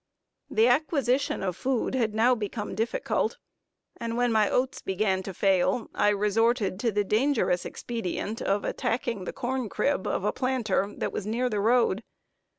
The acquisition of food had now become difficult, and when my oats began to fail, I resorted to the dangerous expedient of attacking the corn crib of a planter that was near the road.